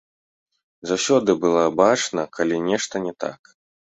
Заўсёды было бачна, калі нешта не так.